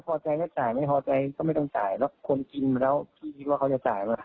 พอใจก็จ่ายไม่พอใจก็ไม่ต้องจ่ายแล้วคนกินแล้วพี่คิดว่าเขาจะจ่ายป่ะ